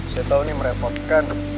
saya tahu ini merepotkan